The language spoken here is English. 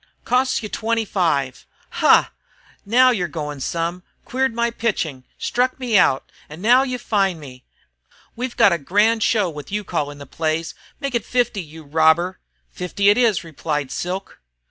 "Costs you twenty five!" "Ha! Now you 're going some! Queered my pitching, struck me out, and now you fine me. We've got a grand show with you calling the plays. Make it fifty, you robber!" "Fifty it is!" replied Silk.